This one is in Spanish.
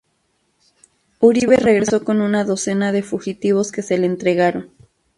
Uribe regresó con una docena de fugitivos que se le entregaron.